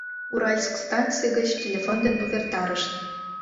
Уральск станций гыч телефон ден увертарышт.